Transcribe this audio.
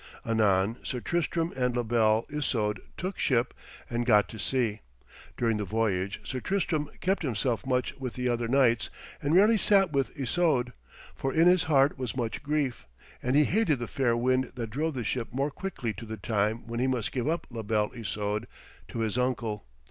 Anon Sir Tristram and La Belle Isoude took ship and got to sea. During the voyage Sir Tristram kept himself much with the other knights and rarely sat with Isoude; for in his heart was much grief, and he hated the fair wind that drove the ship more quickly to the time when he must give up La Belle Isoude to his uncle.